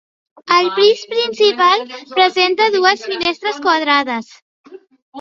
El pis principal presenta dues finestres quadrades.